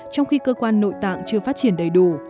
trong khi cơ quan nội tạng chưa phát triển đầy đủ